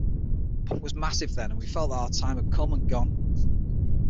Punk was massive then and we felt that our time had come and gone.